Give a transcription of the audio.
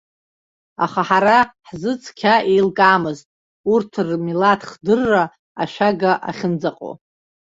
Аха ҳара ҳзы цқьа еилкаамызт, урҭ рмилаҭ хдырра ашәагаа ахьынӡаҟоу.